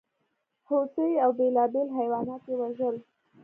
هوسۍ او بېلابېل حیوانات یې وژل.